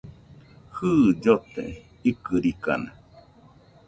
Jɨ, llote ikɨrikana